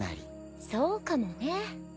そうかもね。